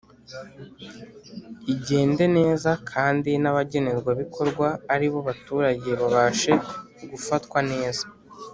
igende neza kandi n’abagenerwabikorwa ari bo baturage babashe gufatwa neza